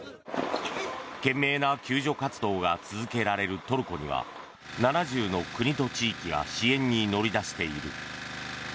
懸命な救助活動が続けられるトルコには７０の国と地域が支援に乗り出している。